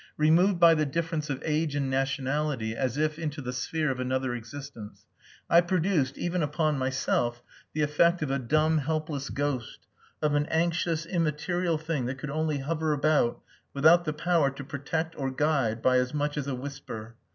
Removed by the difference of age and nationality as if into the sphere of another existence, I produced, even upon myself, the effect of a dumb helpless ghost, of an anxious immaterial thing that could only hover about without the power to protect or guide by as much as a whisper.